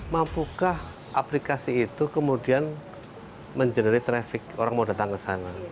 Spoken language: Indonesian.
mampukah aplikasi itu kemudian mengeneri traffic orang mau datang ke sana